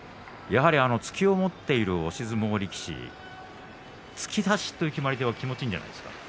突きを持っている押し相撲力士突き出しという決まり手は気持ちいいんじゃないですか。